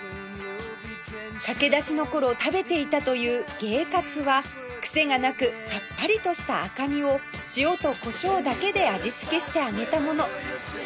駆け出しの頃食べていたという鯨カツはクセがなくさっぱりとした赤身を塩とコショウだけで味付けして揚げたもの